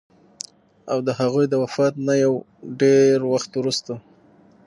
او د هغوي د وفات نه يو ډېر وخت وروستو